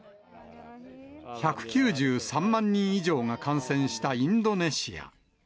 １９３万人以上が感染したインドネシア。